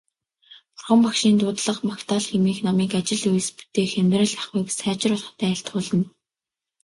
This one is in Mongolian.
Бурхан Багшийн дуудлага магтаал хэмээх номыг ажил үйлс бүтээх, амьдрал ахуйг сайжруулахад айлтгуулна.